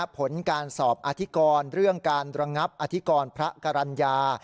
ผลการสอบอธิกรเรื่องการระงับอธิกรพระกรรณญา